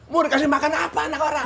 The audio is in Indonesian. mau dikasih makan apa anak orang